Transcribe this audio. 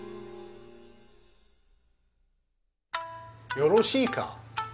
よろしいか。